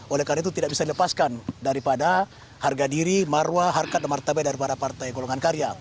oleh karena itu tidak bisa dilepaskan daripada harga diri maruah harga dan martabat daripada partai golongan karya